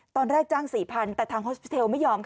ตอนแรกจ้าง๔๐๐๐แต่ทางฮอสเทลไม่ยอมค่ะ